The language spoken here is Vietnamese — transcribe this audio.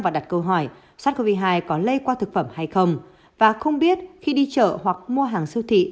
và đặt câu hỏi sát covid hai có lây qua thực phẩm hay không và không biết khi đi chợ hoặc mua hàng siêu thị